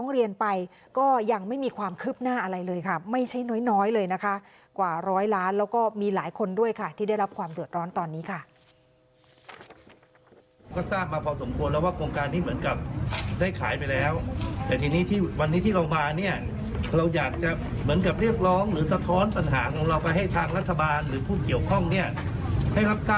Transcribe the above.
เรียกหลวงภาครัฐว่าคือคุณคุณจะต้องทำยังไงก็ได้